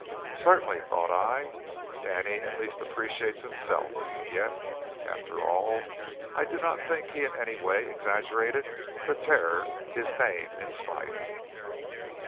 Certainly, thought I, Danny at least appreciates himself; and yet, after all, I do not think he in any way exaggerated the terror his name inspired.